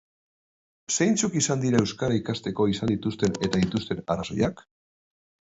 Zeintzuk izan dira euskara ikasteko izan dituzten eta dituzten arrazoiak?